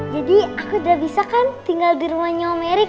jadi aku udah bisa kan tinggal di rumah nyom erik